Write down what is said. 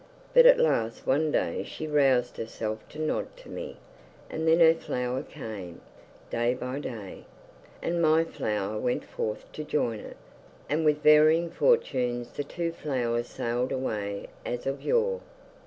But at last one day she roused herself to nod to me, and then her flower came, day by day, and my flower went forth to join it, and with varying fortunes the two flowers sailed away as of yore.